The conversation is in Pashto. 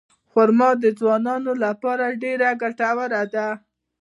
خرما د ځوانانو لپاره ډېره ګټوره ده.